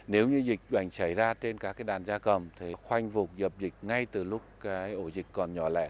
nếu như dịch bệnh xảy ra trên các đàn gia cầm thì khoanh vùng dập dịch ngay từ lúc cái ổ dịch còn nhỏ lẻ